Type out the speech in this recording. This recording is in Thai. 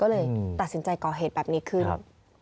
ก็เลยตัดสินใจก่อเหตุแบบนี้ขึ้น